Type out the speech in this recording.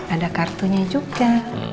ada kartunya juga